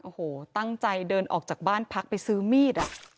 โอ้โหตั้งใจเดินออกจากบ้านพักไปซื้อมีด